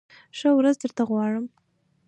ښه ورځ درته غواړم !